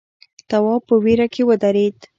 تواب په وېره کې ودرېد.